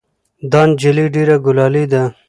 دا نجلۍ ډېره ګلالۍ ده.